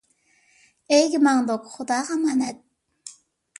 ئۆيگە ماڭدۇق، خۇداغا ئامانەت!